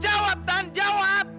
jawab tante jawab